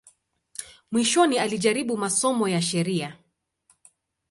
Mwishoni alijaribu masomo ya sheria.